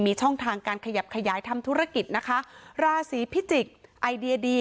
มีช่องทางการขยับขยายทำธุรกิจนะคะราศีพิจิกษ์ไอเดียดี